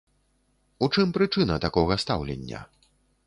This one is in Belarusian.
У чым прычына такога стаўлення?